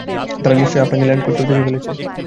তারা নিশ্চয়ই আপনাকে ল্যান্ড করতেও দেখে ফেলেছে।